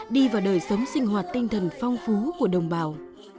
đi vào đời sống sinh hoạt tinh thần phong phú của đồng bào